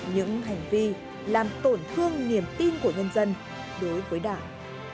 những hành vi làm tổn thương niềm tin của nhân dân đối với đảng